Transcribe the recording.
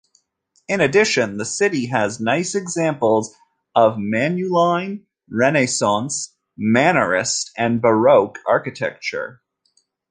In addition, the city has nice examples of Manueline, Renaissance, Mannerist and Baroque architecture.